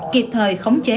kịp thời khống chế